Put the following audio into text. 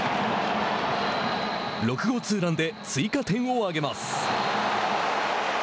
６号２ランで追加点を上げます。